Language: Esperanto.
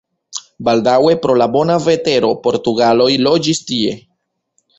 Baldaŭe pro la bona vetero portugaloj loĝis tie.